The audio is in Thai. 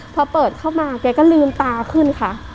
พอเปิดเข้ามาแกก็ลืมตาขึ้นค่ะ